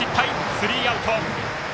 スリーアウト。